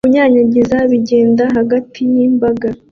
Kunyanyagiza bigenda hagati yimbaga